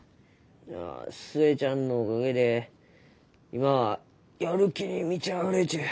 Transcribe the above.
いや寿恵ちゃんのおかげで今はやる気に満ちあふれちゅう。